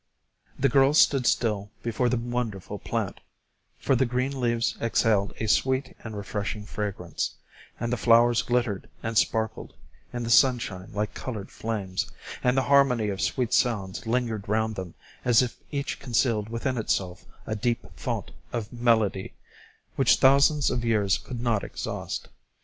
The girl stood still before the wonderful plant, for the green leaves exhaled a sweet and refreshing fragrance, and the flowers glittered and sparkled in the sunshine like colored flames, and the harmony of sweet sounds lingered round them as if each concealed within itself a deep fount of melody, which thousands of years could not exhaust.